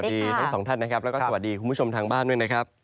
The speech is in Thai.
ดีทั้งสองท่านนะครับแล้วก็สวัสดีคุณผู้ชมทางบ้านด้วยนะครับ